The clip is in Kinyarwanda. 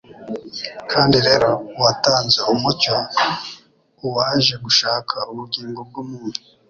Kandi rero, uwatanze umucyo, Uwaje gushaka ubugingo bw’umuntu